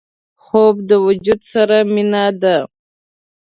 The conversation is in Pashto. خوب د وجود سره مینه ده